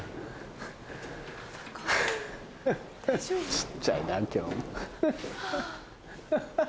小っちゃいな今日も。